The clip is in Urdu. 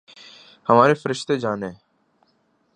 ہمارے فرشتے جانیں۔